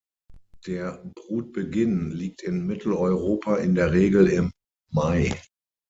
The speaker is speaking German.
Der Brutbeginn liegt in Mitteleuropa in der Regel im Mai.